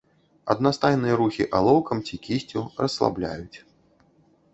Аднастайныя рухі алоўкам ці кісцю расслабляюць.